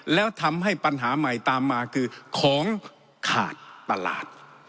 แล้วทำให้ปัญหาใหม่ตามมาคือของขาดตลาด